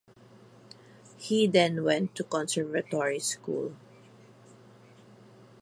He then went to conservatoire School.